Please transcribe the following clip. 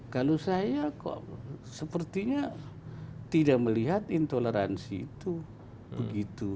kalau saya kok sepertinya tidak melihat intoleransi itu begitu